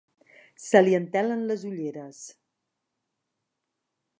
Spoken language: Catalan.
Se li entelen les ulleres.